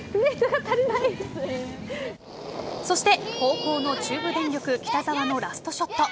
そして後攻の中部電力・北澤のラストショット。